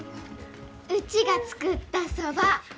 うちが作ったそば。